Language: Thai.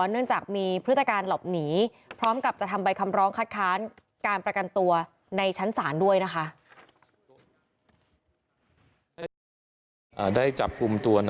เนื่องจากมีพฤติการหลบหนีพร้อมกับจะทำใบคำร้องคัดค้านการประกันตัวในชั้นศาลด้วยนะคะ